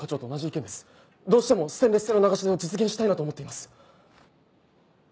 どうしてもステンレス製の流し台を実現したいなと思っています。